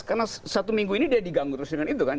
karena satu minggu ini dia diganggu terus dengan itu kan